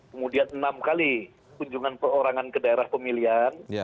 kemudian enam kali kunjungan perorangan ke daerah pemilihan